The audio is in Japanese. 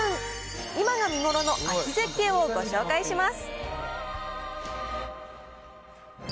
今が見頃の秋絶景をご紹介します。